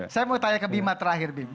saya mau tanya ke bima terakhir bima